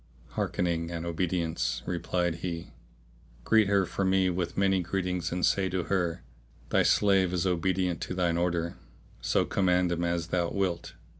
"Hearkening and obedience!' replied he, "greet her for me with many greetings and say to her, Thy slave is obedient to thine order; so command him as thou wilt."